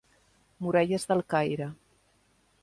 Muralles del Caire.